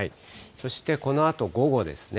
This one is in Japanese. そして、このあと午後ですね。